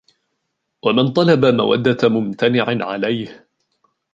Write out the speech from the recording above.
وَمَنْ طَلَبَ مَوَدَّةَ مُمْتَنِعٍ عَلَيْهِ